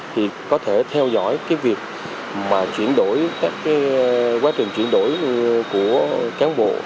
thì có thể theo dõi cái việc mà chuyển đổi các cái quá trình chuyển đổi của cán bộ